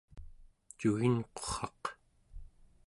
cuginqurraq